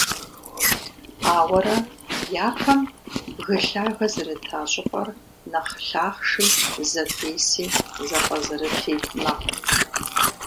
Ауэрэ, япэм бгы лъагэ зэрыта щIыпIэр нэхъ лъахъши, зэтеси, зэпIэзэрыти мэхъу.